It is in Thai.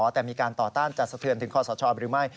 แต่มีการต่อต้านจัดสะเทือนถึงคอสชหรือไม่